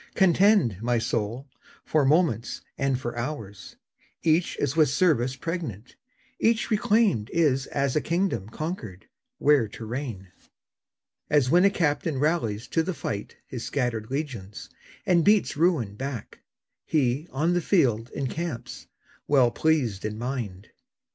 Contend, my soul, for moments and for hours; Each is with service pregnant; each reclaimed Is as a kingdom conquered, where to reign. As when a captain rallies to the fight His scattered legions, and beats ruin back, He, on the field, encamps, well pleased in mind.